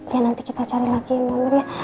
ya nanti kita cari lagi mbak mir ya